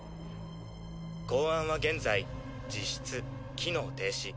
公安は現在実質機能停止。